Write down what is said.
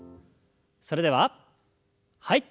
それでははい。